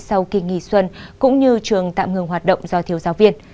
sau kỳ nghỉ xuân cũng như trường tạm ngừng hoạt động do thiếu giáo viên